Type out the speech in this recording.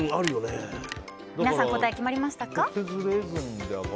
皆さん答え決まりましたか？